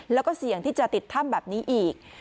แล้วก็เสี่ยงที่จะติดถ้ำแบบนี้อีก